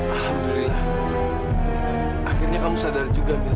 alhamdulillah akhirnya kamu sadar juga